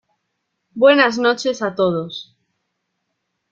Buenas noches a todos.